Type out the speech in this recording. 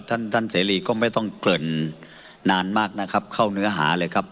ท่านท่านเสรีก็ไม่ต้องเกริ่นนานมากนะครับเข้าเนื้อหาเลยครับ